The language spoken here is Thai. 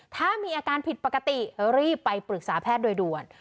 ถ้ามีอาการผิดปกติรีบไปปรึกษาแพทย์โดยด่วน